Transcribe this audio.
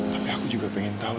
tapi aku juga pengen tahu